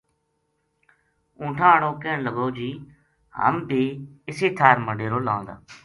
اونٹھاں ہاڑو کہن لگو جی ہم بی اسے ٹھار ما ڈیرو لاں گا